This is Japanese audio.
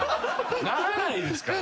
ならないですから。